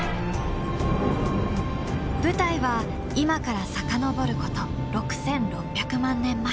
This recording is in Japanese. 舞台は今から遡ること６，６００万年前。